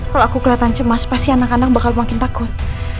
kalau aku kelihatan cemas pasti anak anak bakal makin takut